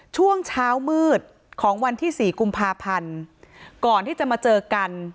ช่วงเช้ามืดของวันที่สี่กุมภาพันธ์ก่อนที่จะมาเจอกัน